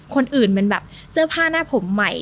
คนอื่นเป็นแบบเสื้อผ้าหน้าผมใหม่